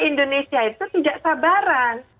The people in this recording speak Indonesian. indonesia itu tidak sabaran